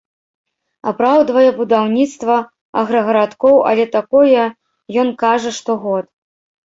Апраўдвае будаўніцтва аграгарадкоў, але такое ён кажа штогод.